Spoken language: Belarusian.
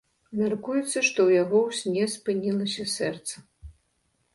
Мяркуецца, што ў яго ў сне спынілася сэрца.